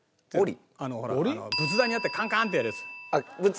ほら仏壇にあってカンカーンってやるやつ。